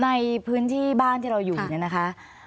ในพื้นที่บ้านที่เราอยู่เนี่ยนะคะ